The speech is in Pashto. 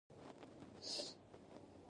مخالفت کوي.